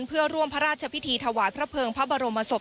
เพื่อร่วมพระราชพิธีถวายพระเภิงพระบรมศพ